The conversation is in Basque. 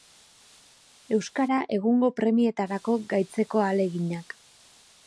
Euskara egungo premietarako gaitzeko ahaleginak.